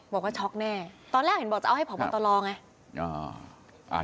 บอกว่าช็อกแน่ตอนแรกเห็นบอกจะเอาให้ผอบตรไง